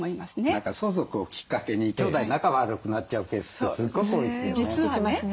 何か相続をきっかけに兄弟仲悪くなっちゃうケースってすごく多いですよね。